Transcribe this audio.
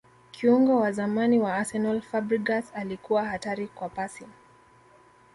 kiungo wa zamani wa arsenal fabregas alikuwa hatari kwa pasi